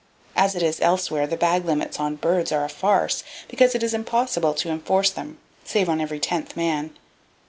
As it is elsewhere, the bag limit laws on birds are a farce, because it is impossible to enforce them, save on every tenth man.